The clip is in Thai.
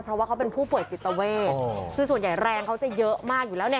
เพราะว่าเขาเป็นผู้ป่วยจิตเวทคือส่วนใหญ่แรงเขาจะเยอะมากอยู่แล้วเนี่ย